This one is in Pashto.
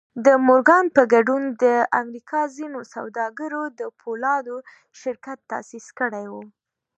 د مورګان په ګډون د امريکا ځينو سوداګرو د پولادو شرکت تاسيس کړی و.